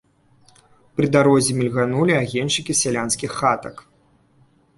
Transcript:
Пры дарозе мільганулі агеньчыкі сялянскіх хатак.